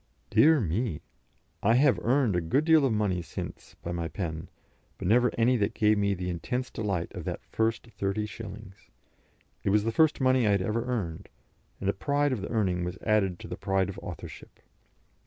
Dear me! I have earned a good deal of money since by my pen, but never any that gave me the intense delight of that first thirty shillings. It was the first money I had ever earned, and the pride of the earning was added to the pride of authorship.